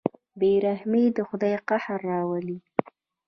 بېرحمي د خدای قهر راولي.